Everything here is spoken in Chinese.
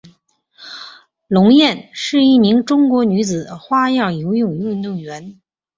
龙艳是一名中国女子花样游泳运动员。